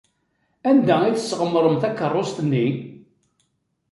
Anda ay tesɣemrem takeṛṛust-nni?